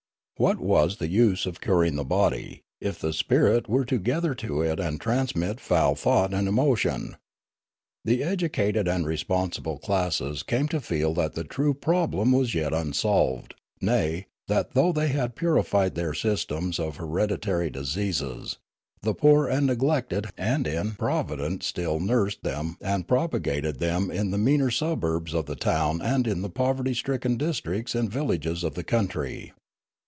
What was the use of curing the body, if the spirit were left to gather to it and transmit foul Noola 403 thought and emotion ? The educated and responsible classes came to feel that the true problem was yet un solved ; nay, that, though they had purified their sys tems of hereditary diseases, the poor and neglected and improvident still nursed them and propagated them in the meaner suburbs of the town and in the poverty stricken districts and villages of the country.